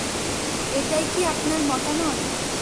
এটাই কী আপনার মতামত?